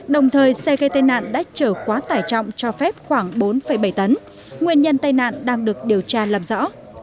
đồng thời xe gây tai nạn đã trở quá tải trọng cho phép khoảng bốn bảy tấn nguyên nhân tai nạn đang được điều tra làm rõ